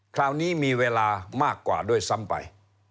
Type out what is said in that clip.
คราวนี้มีเวลามากกว่าด้วยซ้ำไป